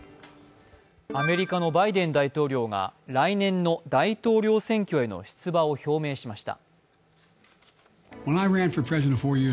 アメリカのバイデン大統領が来年の大統領選挙への出馬を表明しました。